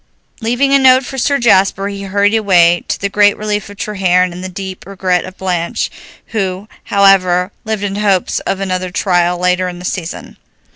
Leaving a note for Sir Jasper, he hurried away, to the great relief of Treherne and the deep regret of Blanche, who, however, lived in hopes of another trial later in the season.